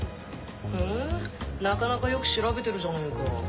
へぇなかなかよく調べてるじゃねえか